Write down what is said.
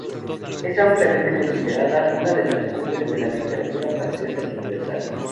Es ampliamente considerada una de las cumbres de la literatura francesa y universal.